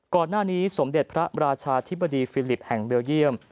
ก่อนหน้านี้สมเด็จพระราชาธิบดีฟิลิปแห่งเบลเยี่ยม